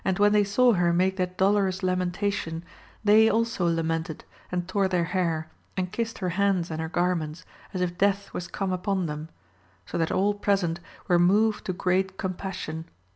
when they saw her make that dolorous lamentation, they also lamented, and tore their hair, and kissed her hands and her garments, as if death was come upon them, so that all present were moved to great compassion.